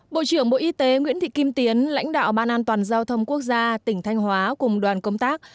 bộ trưởng bộ y tế nguyễn thị kim tiến lãnh đạo ban an toàn giao thông quốc gia tỉnh thanh hóa cùng đoàn công tác